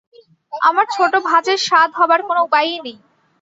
আমার ছোটো ভাজের সাধ হবার কোনো উপায়ই নেই।